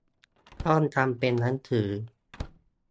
ต้องทำเป็นหนังสือ